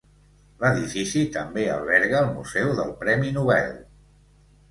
L'edifici també alberga el museu del Premi Nobel.